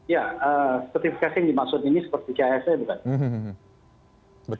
ya sertifikasi yang dimaksud ini seperti cis nya bukan